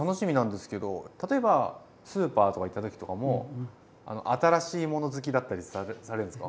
例えばスーパーとか行った時とかも新しいもの好きだったりされるんですか？